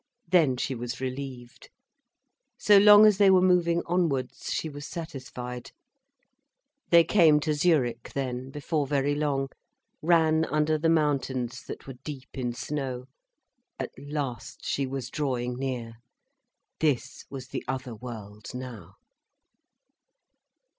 Then she was relieved. So long as they were moving onwards, she was satisfied. They came to Zürich, then, before very long, ran under the mountains, that were deep in snow. At last she was drawing near. This was the other world now.